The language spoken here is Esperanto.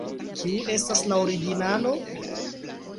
Kiu estas la originalo?